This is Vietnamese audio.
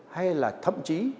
hay là thậm chí